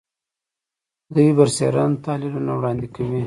دوی برسېرن تحلیلونه وړاندې کوي